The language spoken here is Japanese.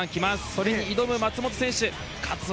それに挑む松元選手。